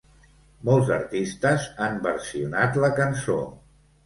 Molts artistes han versionat la cançó.